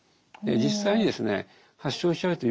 実際にですね